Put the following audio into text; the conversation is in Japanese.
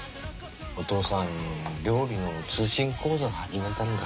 お父さん料理の通信講座始めたんだ。